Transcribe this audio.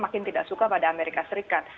makin tidak suka pada amerika serikat